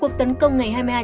cuộc tấn công ngày hôm nay